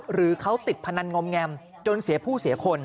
หรือเขาติดพนันงอมแงมจนเสียผู้เสียคน